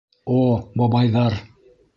О бабайҙар!